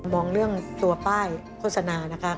มองเรื่องตัวป้ายโฆษณานะคะ